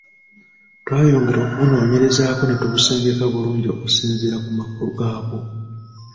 Twayongera okubunoonyerezaako n’etubusengeka bulungi okusinziira ku makulu gaabwo.